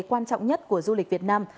quan trọng nhất của du lịch việt nam